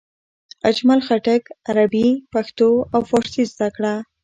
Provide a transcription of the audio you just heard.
اجمل خټک عربي، پښتو او فارسي زده کړه.